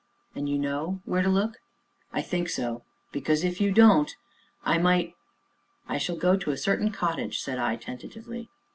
"And you know where to look?" "I think so " "Because, if you don't I might " "I shall go to a certain cottage," said I tentatively.